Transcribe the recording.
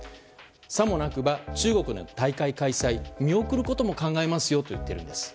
さもなくば、中国の大会開催見送ることも考えますよと言っているんです。